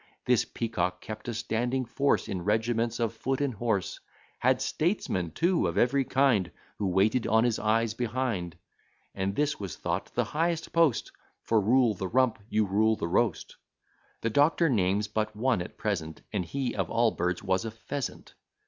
This Peacock kept a standing force, In regiments of foot and horse: Had statesmen too of every kind, Who waited on his eyes behind; And this was thought the highest post; For, rule the rump, you rule the roast. The doctor names but one at present, And he of all birds was a Pheasant.